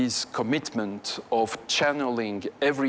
และการมีเสนอทุกประวัติศาสตร์